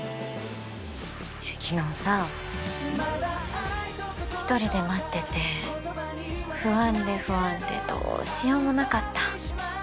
いや昨日さ１人で待ってて不安で不安でどうしようもなかった。